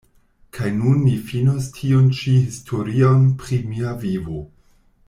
Kaj nun mi finos tiun-ĉi historion pri mia vivo.